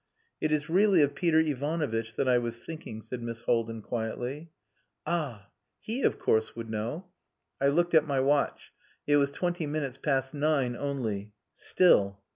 "It is really of Peter Ivanovitch that I was thinking," said Miss Haldin quietly. Ah! He, of course, would know. I looked at my watch. It was twenty minutes past nine only.... Still.